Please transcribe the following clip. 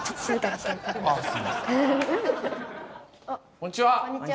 こんにちは。